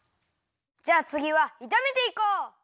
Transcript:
じゃあつぎはいためていこう！